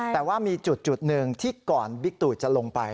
แต่ว่ามีจุดหนึ่งที่ก่อนบิ๊กตู่จะลงไป